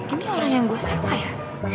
ini orang yang gue sewa ya